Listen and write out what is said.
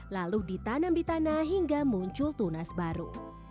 lalu ditanam di tanah hingga muncul tunas baru